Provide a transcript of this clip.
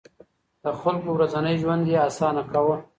د خلکو ورځنی ژوند يې اسانه کاوه.